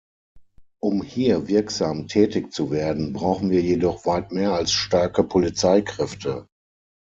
Um hier wirksam tätig zu werden, brauchen wir jedoch weit mehr als starke Polizeikräfte.